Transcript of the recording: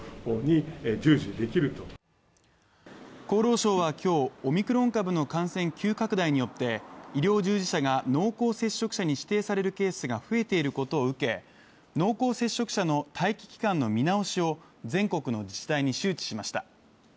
厚労省は今日、オミクロン株の感染急拡大によって医療従事者が濃厚接触者に指定されるケースが増えていることを受け、濃厚接触者の待機期間の見直しを全国の自治体に周知しました。